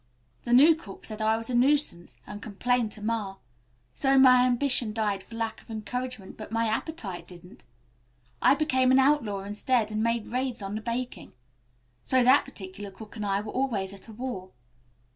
The new cook said I was a nuisance, and complained to Ma. So my ambition died for lack of encouragement, but my appetite didn't. I became an outlaw instead and made raids on the baking. So that particular cook and I were always at war.